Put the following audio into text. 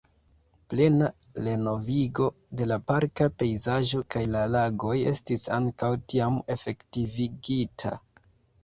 Plena renovigo de la parka pejzaĝo kaj la lagoj estis ankaŭ tiam efektivigita.